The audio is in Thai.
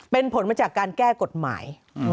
เป็นผลมาจากการแก้กฎหมาย